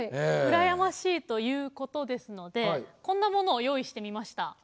羨ましいということですのでこんなものを用意してみました。